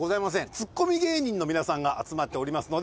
ツッコミ芸人の皆さんが集まっておりますので。